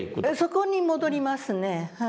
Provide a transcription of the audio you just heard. そこに戻りますね。